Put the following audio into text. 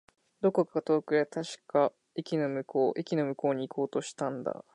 どこか遠くだ。確か、駅の向こう。駅の向こうに行こうとしたんだ。